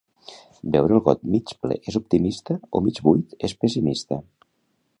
Veure el got mig ple és optimista o mig buit és pessimista